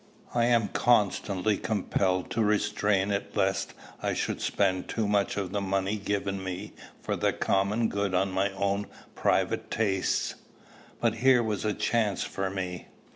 I am constantly compelled to restrain it lest I should spend too much of the money given me for the common good on my own private tastes; but here was a chance for me!